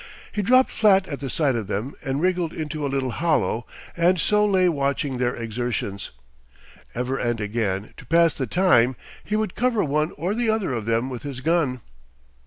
He dropped flat at the sight of them and wriggled into a little hollow, and so lay watching their exertions. Ever and again, to pass the time, he would cover one or other of them with his gun.